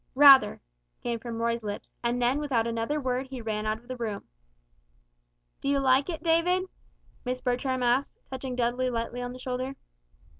"Rather," came from Roy's lips, and then without another word he ran out of the room. "Do you like it, David?" Miss Bertram asked, touching Dudley lightly on the shoulder.